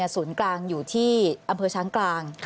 ศูนย์กลางอยู่ที่อำเภอช้างกลาง